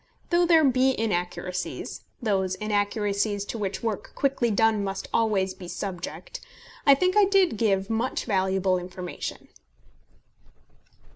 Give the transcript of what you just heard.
Though there be inaccuracies, those inaccuracies to which work quickly done must always be subject, I think I did give much valuable information.